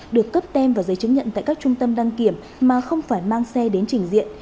được cấp tem vào giấy chứng nhận tại các trung tâm đăng kiểm mà không phải mang xe đến trình diện